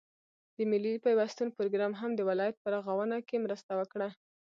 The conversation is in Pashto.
د ملي پيوستون پروگرام هم د ولايت په رغاونه كې مرسته وكړه،